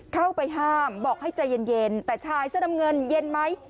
เข้าไปห้ามบอกให้ใจเย็นแต่ชายเสื้อน้ำเงินเย็นไหม